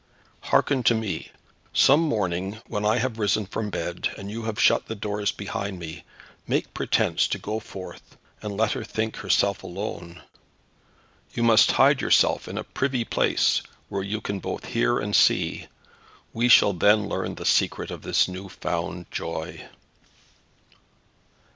Hearken to me. Some morning when I have risen from bed, and you have shut the doors upon me, make pretence to go forth, and let her think herself alone. You must hide yourself in a privy place, where you can both hear and see. We shall then learn the secret of this new found joy."